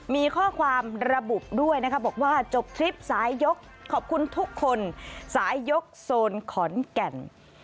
มีข้อความระบุด้วยนะคะบอกว่าจบทริปสายยกขอบคุณทุกคนสายยกโซนขอนแก่น